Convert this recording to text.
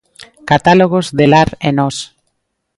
Catálogos de Lar e Nós.